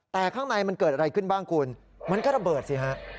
แต่ข้างในมันเกิดอะไรขึ้นบ้างคุณมันก็ระเบิดสิฮะ